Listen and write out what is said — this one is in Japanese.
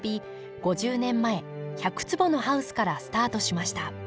５０年前１００坪のハウスからスタートしました。